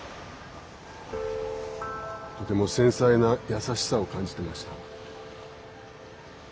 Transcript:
とても繊細な優しさを感じてました。